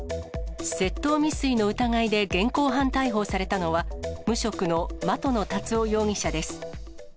窃盗未遂の疑いで現行犯逮捕されたのは、無職の的野達生容疑者です。